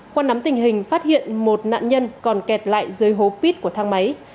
quan nắm tình hình phát hiện một nạn nhân còn kẹt lại dưới hố pit của thang máy